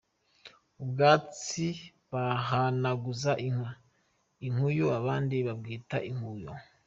Ubwatsi bahanaguza inka : Inkuyu, abandi babwita Inkuyo.